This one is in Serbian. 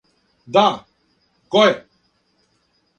Да, које је?